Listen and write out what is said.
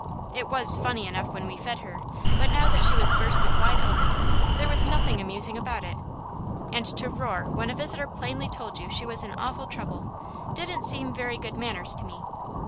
It was funny enough when we fed her, but now that she was bursted wide open there was nothing amusing about it; and to roar when a visitor plainly told you she was in awful trouble, didn't seem very good manners to me.